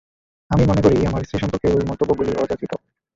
আমি মনে করি আমার স্ত্রী সম্পর্কে ওই মন্তব্যগুলি অযাচিত।